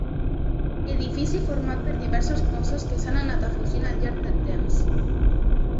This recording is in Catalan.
Edifici format per diversos cossos que s'han anat afegint al llarg del temps.